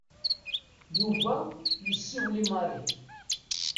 Yuba yessiwel i Mary.